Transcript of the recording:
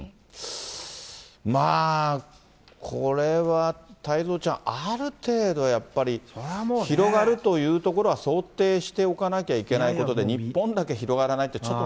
まあ、これは太蔵ちゃん、ある程度、やっぱり、広がるというところは、想定しておかなきゃいけないことで、日本だけ広がらないってちょっと。